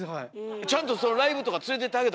ちゃんとそのライブとか連れてってあげたんですか？